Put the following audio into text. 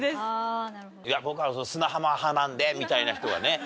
いや僕は砂浜派なんでみたいな人がね。